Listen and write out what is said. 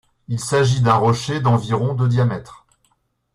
Il s'agit d'un rocher d'environ de diamètre.